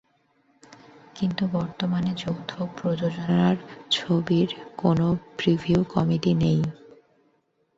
কিন্তু বর্তমানে যৌথ প্রযোজনার ছবির কোনো প্রিভিউ কমিটি নেই।